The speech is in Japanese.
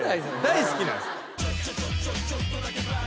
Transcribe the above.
大好きなんです。